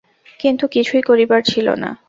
কিন্তু কিছুই করিবার ছিল না।